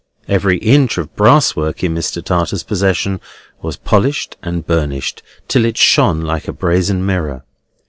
Every inch of brass work in Mr. Tartar's possession was polished and burnished, till it shone like a brazen mirror.